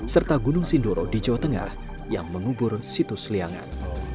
serta gunung sindoro di jawa tengah yang mengubur situs liangan